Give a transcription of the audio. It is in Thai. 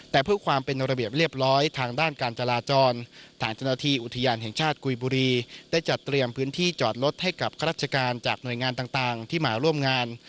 แต่เพื่อความเป็นระเบียบเรียบร้อยทางด้านการจราจรทางเจ้าหน้าที่อุทยานแห่งชาติกุยบุรีได้จัดเตรียมพื้นที่จอดรถให้กับข้าราชการจากหน่วยงานต่างที่มาร่วมงาน